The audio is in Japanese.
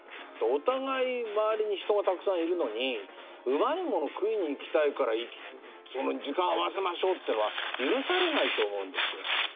お互い周りに人がたくさんいるのにうまいもの食いに行きたいから時間合わせましょうってのは許されないと思うんですよ。